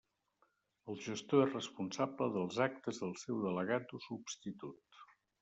El gestor és responsable dels actes del seu delegat o substitut.